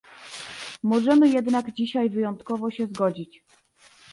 Możemy jednak dzisiaj wyjątkowo się zgodzić